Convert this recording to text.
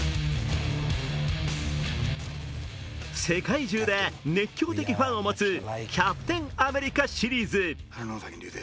世界中で熱狂的なファンを持つ「キャプテン・アメリカ」シリーズ。